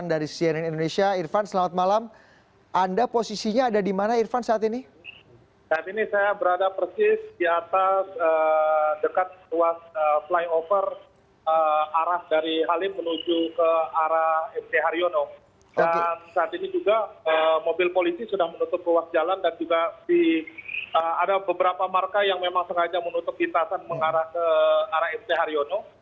dan saat ini juga mobil polisi sudah menutup ruang jalan dan juga ada beberapa marka yang memang sengaja menutup kitaran mengarah ke arah mc haryono